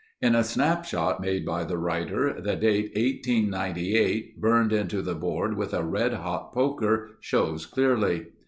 In a snapshot made by the writer, the date 1898, burned into the board with a redhot poker shows clearly.